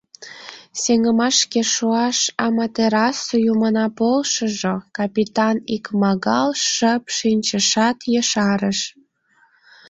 Сеҥымашке шуаш Аматерасу юмына полшыжо! — капитан икмагал шып шинчышат, ешарыш.